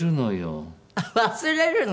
忘れるの？